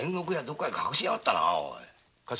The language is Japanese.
どこかへ隠しやがったな。